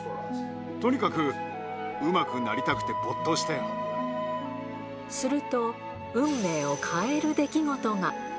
とにかくうまくなりたくて没頭しすると、運命を変える出来事が。